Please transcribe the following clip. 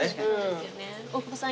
大久保さん